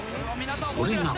それが］